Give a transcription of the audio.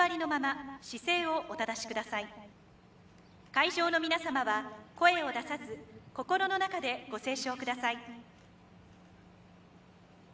会場の皆様は声を出さず心の中でご斉唱ください。